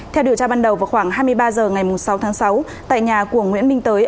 theo điều tra ban đầu vào khoảng hai mươi ba h ngày sáu tháng sáu tại nhà của nguyễn minh tới